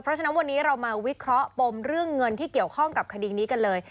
เพราะฉะนั้นวันนี้เรามาวิเคราะห์ปมเรื่องเงินที่เกี่ยวข้องกับคดีนี้กันเลย